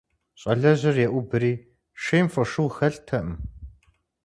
Щӏалэжьыр еӏубри, - шейм фошыгъу хэлътэкъым.